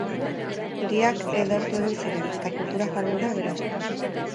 Hiriak edertu egin ziren, eta kultura-jarduera aberastu.